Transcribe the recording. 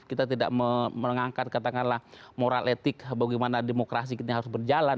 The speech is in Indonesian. kita tidak mengangkat katakanlah moral etik bagaimana demokrasi kita harus berjalan